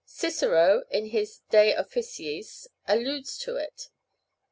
Cicero in his "De Officiis" alludes to it.